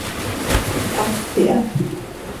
Hast iha.